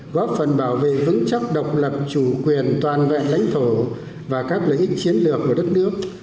góp phần bảo vệ vững chắc độc lập chủ quyền toàn vẹn lãnh thổ và các lợi ích chiến lược của đất nước